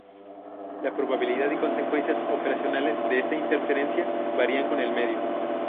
La probabilidad y consecuencias operacionales de esta interferencia varían con el medio.